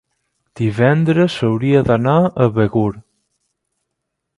divendres hauria d'anar a Begur.